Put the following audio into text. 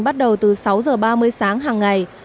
bắt đầu từ sáu h ba mươi sáng hàng ngày